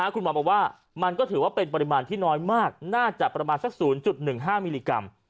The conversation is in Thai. คุณหมอบอกว่ามันก็ถือว่าเป็นปริมาณที่น้อยมากน่าจะประมาณสัก๐๑๕มิลลิกรัม